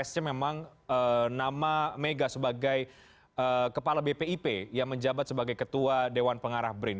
memang nama mega sebagai kepala bpip yang menjabat sebagai ketua dewan pengarah brin